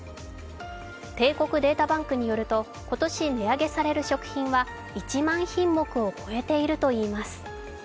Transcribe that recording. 帝国データバンクによると今年、値上げされる食品は１万品目を超えているといいます。